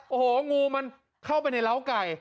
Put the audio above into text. โอ้โหงูมันเข้าไปในร้าวไก่